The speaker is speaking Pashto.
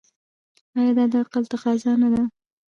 آیا دا د عقل تقاضا نه ده؟